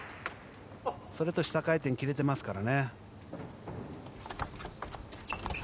それと下回転、切れてますから。